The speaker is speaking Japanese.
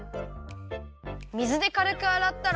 みずでかるくあらったら。